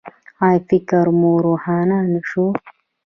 ایا فکر مو روښانه شو؟